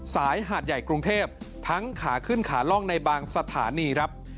หาดใหญ่กรุงเทพทั้งขาขึ้นขาล่องในบางสถานีครับ